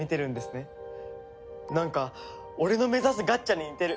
なんか俺の目指すガッチャに似てる。